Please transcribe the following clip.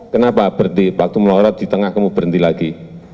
kenapa waktu melorot di tengah kamu berhenti lagi